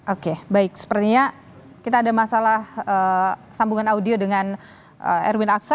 oke baik sepertinya kita ada masalah sambungan audio dengan erwin aksa